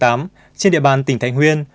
trên địa bàn tỉnh thành huyên